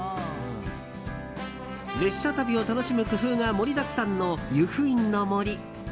列車旅を楽しむ工夫が盛りだくさんの「ゆふいんの森」。